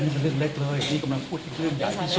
นี่เป็นเรื่องเล็กเลยนี่กำลังพูดถึงเรื่องใหญ่ที่สุด